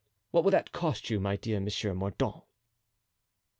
What will that cost you my dear Monsieur Mordaunt?"